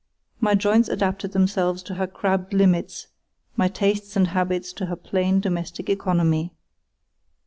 My joints adapted themselves to her crabbed limits, my tastes and habits to her plain domestic economy.